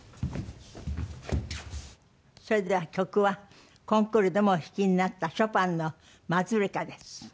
それでは曲はコンクールでもお弾きになったショパンの『マズルカ』です。